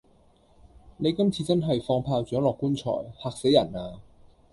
你今次真係放炮仗落棺材——嚇死人呀！